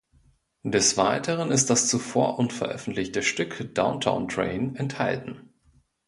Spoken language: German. Des Weiteren ist das zuvor unveröffentlichte Stück "Downtown Train" enthalten.